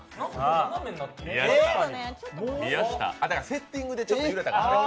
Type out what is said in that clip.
セッティングでちょっと揺れたかな。